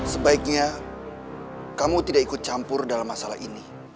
sebaiknya kamu tidak ikut campur dalam masalah ini